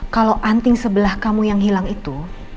kalau anting sebelah kamu yang hilang itu